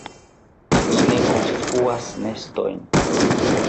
Ili ne konstruas nestojn.